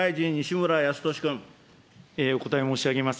お答え申し上げます。